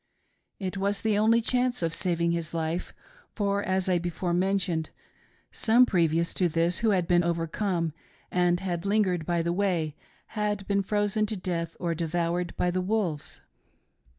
It was the only chancd of saving his life, for, as I before mentioned, some, previous to this, who had been overcome, and had lingered by the way, had been frozen to death or devoured by the wolves.